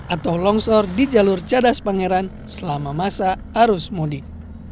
atau longsor di jalur cadas pangeran selama masa arus mudik